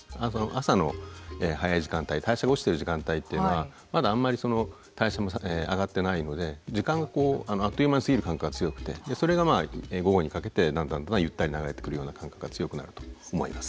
朝の早い時間帯代謝が落ちてる時間帯っていうのはまだあんまり代謝も上がってないので時間がこうあっという間に過ぎる感覚が強くてそれが午後にかけてだんだんゆったり流れてくるような感覚が強くなると思います。